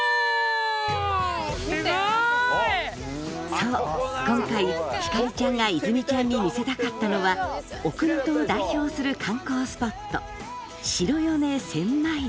そう今回星ちゃんが泉ちゃんに見せたかったのは奥能登を代表する観光スポット